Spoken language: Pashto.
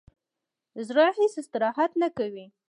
زړه هیڅ استراحت نه کوي